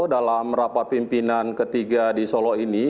dalam rapat pimpinan ketiga di solo ini